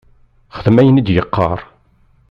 Xdem ayen i d-yeqqar!